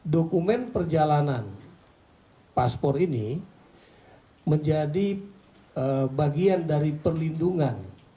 dokumen perjalanan paspor ini menjadi bagian dari perlindungan